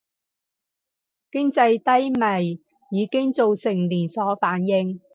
經濟低迷已經造成連鎖反應